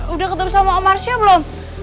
udah ketemu sama om arsya belum